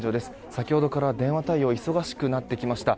先ほどから電話対応忙しくなってきました。